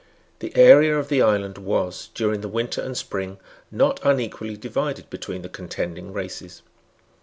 The area of the island was, during the winter and spring, not unequally divided between the contending races.